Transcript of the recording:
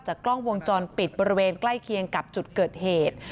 กล้องวงจรปิดบริเวณใกล้เคียงกับจุดเกิดเหตุ